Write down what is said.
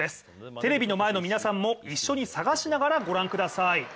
テレビの前の皆さんも一緒に探しながら御覧ください。